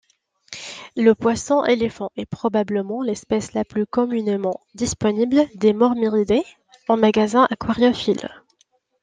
Le poisson-éléphant est probablement l'espèce la plus communément disponible des mormyridés en magasin aquariophile.